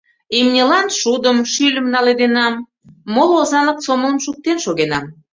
Имньылан шудым, шӱльым наледенам, моло озанлык сомылым шуктен шогенам.